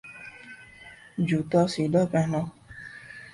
جوتا سیدھا پہنو